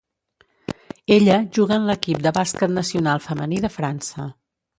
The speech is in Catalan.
Ella juga en l'equip de bàsquet nacional femení de França.